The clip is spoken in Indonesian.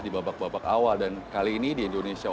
di babak babak awal dan kali ini di indonesia